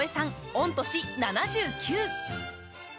御年７９。